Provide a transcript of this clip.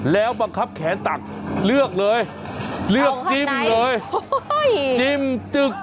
แล้วบังคับแขนตักเลือกเลยเลือกจิ้มเลยจิ้มจึก